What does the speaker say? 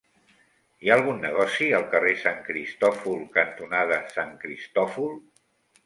Hi ha algun negoci al carrer Sant Cristòfol cantonada Sant Cristòfol?